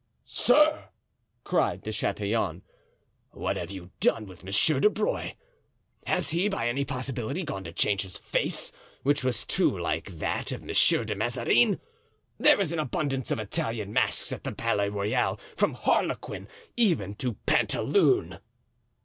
"Sir!" cried De Chatillon. "What have you done with Monsieur de Bruy? Has he by any possibility gone to change his face which was too like that of Monsieur de Mazarin? There is an abundance of Italian masks at the Palais Royal, from harlequin even to pantaloon."